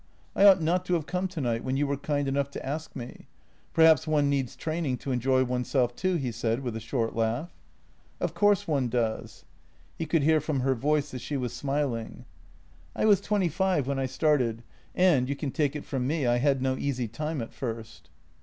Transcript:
I ought not to have come tonight, when you were kind enough to ask me. Perhaps one needs training to enjoy oneself too," he said, with a short laugh. " Of course one does." He could hear from her voice that she was smiling. " I was twenty five when I started and, you can take it from me, I had no easy time at first."